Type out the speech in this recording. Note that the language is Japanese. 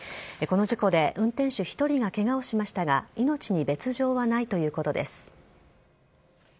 この事故で運転手１人がケガをしましたが命に別条はないということです。